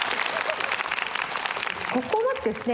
ここまでですね